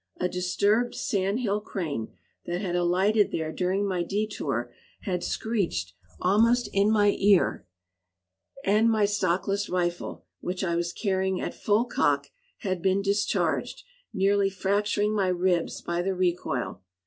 A disturbed sand hill crane, that had alighted there during my detour, had screeched almost in my ear, and my stockless rifle, which I was carrying at full cock, had been discharged, nearly fracturing my ribs by the recoil.